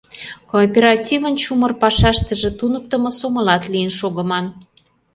Кооперативын чумыр пашаштыже туныктымо сомылат лийын шогыман.